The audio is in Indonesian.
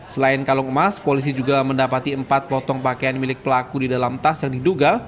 selain kalung emas polisi juga mendapati empat potong pakaian milik pelaku di dalam tas yang diduga